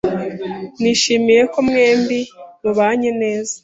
Nishimiye ko mwembi mubanye neza.